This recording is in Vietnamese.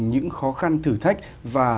những khó khăn thử thách và